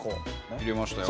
入れましたよ。